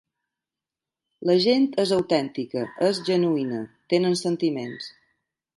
La gent és autèntica, és genuïna, tenen sentiments.